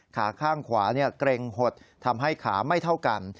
ขาข้างขวาเกร็งหดทำให้ขาไม่เท่ากัน